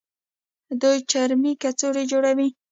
دوی چرمي کڅوړې جوړوي.